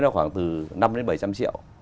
khoảng từ năm bảy trăm linh triệu